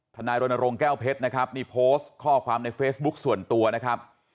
นายรณรงค์แก้วเพชรนะครับนี่โพสต์ข้อความในเฟซบุ๊คส่วนตัวนะครับ